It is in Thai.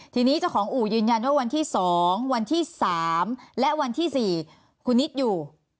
ทีนี้เจ้าของอู่ยืนยันว่าวันที่๒วันที่๓และวันที่๔คุณนิดอยู่